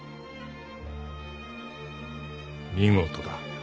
見事だ。